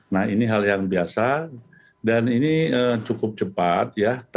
nah ini hal yang biasa dan ini cukup cepat ya